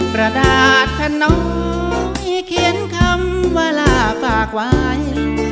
กระดาษแผ่นน้อยเขียนคำว่าลาฝากไว้